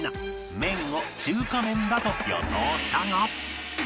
「面」を中華麺だと予想したが